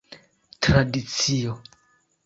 tradicio